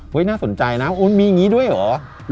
เฮ้ยน่าสนใจนะมีอย่างนี้ด้วยเหรอ